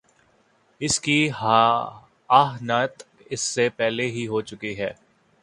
اس کی اہانت اس سے پہلے ہی ہو چکی تھی۔